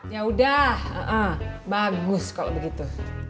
yaudah bagus kalau begitu